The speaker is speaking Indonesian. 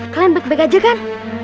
kalian baik baik aja kan